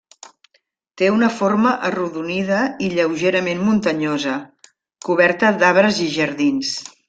Té una forma arrodonida i lleugerament muntanyosa, coberta d'arbres i jardins.